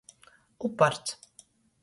Uparts.